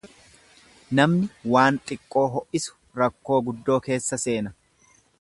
Namni waan xiqqoo ho'isu rakkoo guddoo keessa seena.